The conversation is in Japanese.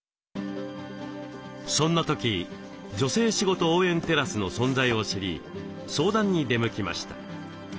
そんな時「女性しごと応援テラス」の存在を知り相談に出向きました。